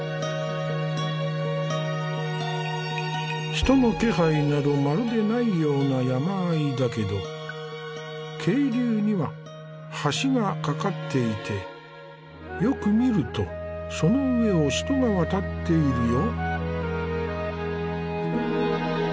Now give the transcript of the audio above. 人の気配などまるでないような山あいだけど渓流には橋が架かっていてよく見るとその上を人が渡っているよ。